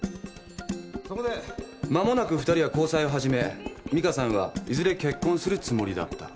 間もなく二人は交際を始め美香さんはいずれ結婚するつもりだった。